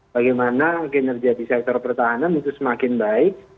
bagaimana kinerja di sektor pertahanan itu semakin baik